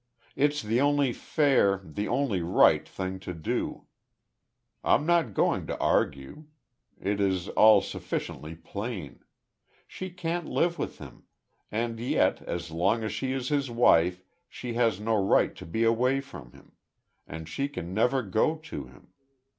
It's the only fair the only right thing to do. I'm not going to argue. It is all sufficiently plain. She can't live with him; and yet, as long as she is his wife, she has no right to be away from him. And she can never go to him."